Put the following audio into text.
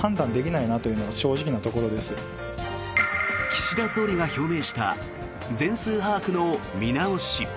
岸田総理が表明した全数把握の見直し。